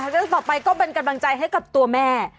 เรื่องต่อไปก็เป็นกำลังใจให้กับตัวแม่